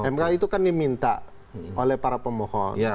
mk itu kan diminta oleh para pemohon